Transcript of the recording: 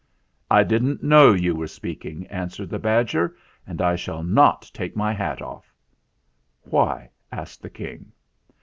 "I didn't know you were speaking," an swered the badger; "and I shall not take my hat off." "Why?" asked the King.